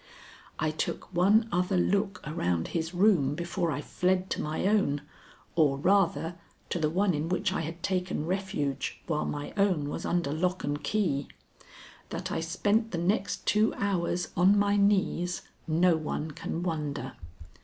I took one other look around his room before I fled to my own, or rather, to the one in which I had taken refuge while my own was under lock and key. That I spent the next two hours on my knees no one can wonder.